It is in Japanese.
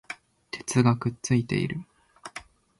鉄がくっついている